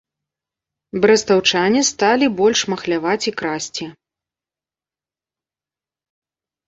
Брэстаўчане сталі больш махляваць і красці.